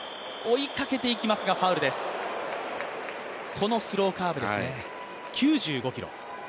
このスローカーブですね、９５キロ。